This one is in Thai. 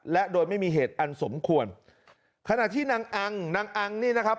และโดยไม่มีเหตุอันสมควรขณะที่นางอังนางอังนี่นะครับ